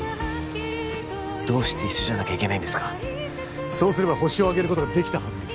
どうして一緒じゃなきゃいけないんですかそうすればホシを挙げることができたはずです